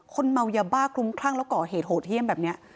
คนเมายาบ้าคลุ้มคลั่งแล้วก่อเหตุโหดเยี่ยมแบบนี้